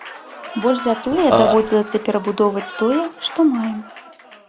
Больш за тое, даводзілася перабудоўваць тое, што маем.